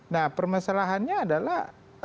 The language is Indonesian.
nah permasalahannya adalah